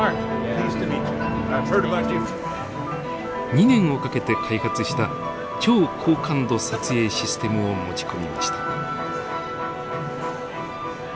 ２年をかけて開発した超高感度撮影システムを持ち込みました。